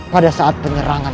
pada saat penyerangan